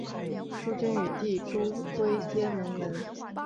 朱筠与弟朱圭皆能文。